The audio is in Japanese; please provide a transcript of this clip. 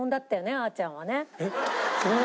あーちゃんはね。いや。